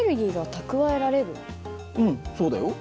うんそうだよ。